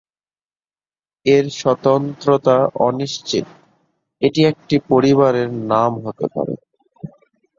এর স্বতন্ত্রতা অনিশ্চিত; এটি একটি পরিবারের নাম হতে পারে।